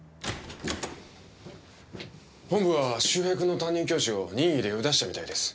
本部は周平君の担任教師を任意で呼び出したみたいです。